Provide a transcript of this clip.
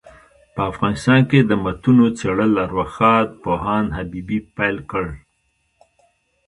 په افغانستان کي دمتونو څېړل ارواښاد پوهاند حبیبي پيل کړ.